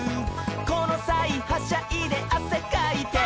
「このさいはしゃいであせかいて」